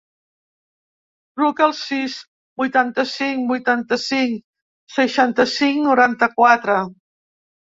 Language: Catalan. Truca al sis, vuitanta-cinc, vuitanta-cinc, seixanta-cinc, noranta-quatre.